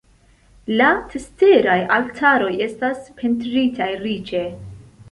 La ceteraj altaroj estas pentritaj riĉe.